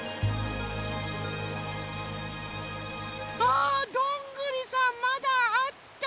あどんぐりさんまだあった！